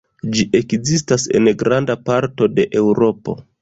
Ĝi ekzistas en granda parto de Eŭropo.